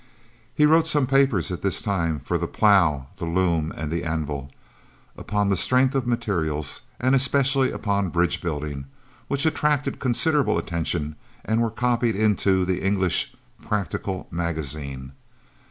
He wrote some papers at this time for the "Plow, the Loom and the Anvil," upon the strength of materials, and especially upon bridge building, which attracted considerable attention, and were copied into the English "Practical Magazine."